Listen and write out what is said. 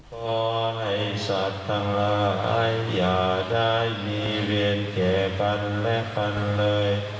ขอให้ศัฒนาอย่าได้มีเวียนแก่ปันและปันเลย